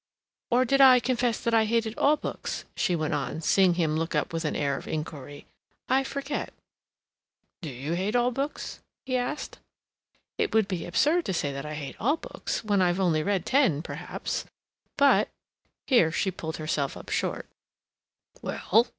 "Or did I confess that I hated all books?" she went on, seeing him look up with an air of inquiry. "I forget—" "Do you hate all books?" he asked. "It would be absurd to say that I hate all books when I've only read ten, perhaps; but—' Here she pulled herself up short. "Well?"